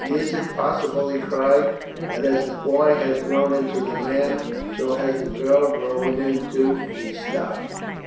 "Is it possible," he cried, "that as the boy has grown into the man, so has the girl grown into " and he stopped.